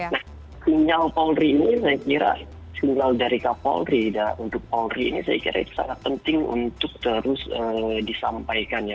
nah sinyal polri ini saya kira sinyal dari kapolri dan untuk polri ini saya kira itu sangat penting untuk terus disampaikan ya